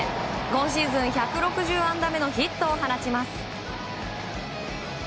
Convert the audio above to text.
今シーズン１６０安打目のヒットを放ちます。